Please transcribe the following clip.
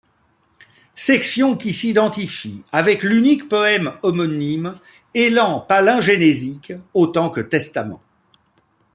Section qui s'identifie avec l'unique poème homonyme, élan palingénésique autant que testament.